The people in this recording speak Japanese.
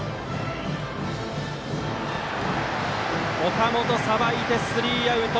岡本さばいてスリーアウト。